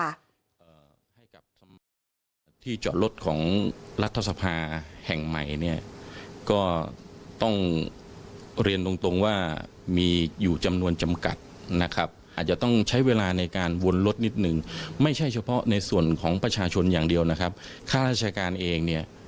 หาที่จอดรถไม่ได้ก็จะวนอยู่แต่ว่าท้ายที่สุดแล้วก็จะสามารถจอดรถได้